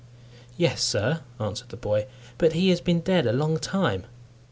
"Yes, sir," answered the boy, "but he has been dead a long time."